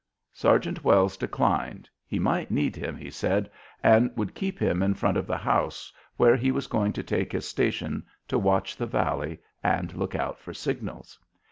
Sergeant Wells declined. He might need him, he said, and would keep him in front of the house where he was going to take his station to watch the valley and look out for signals.